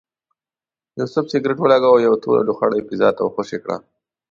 یوسف سګرټ ولګاوه او یوه توره لوخړه یې فضا ته خوشې کړه.